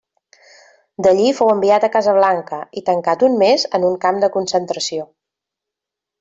D'allí fou enviat a Casablanca i tancat un mes en un camp de concentració.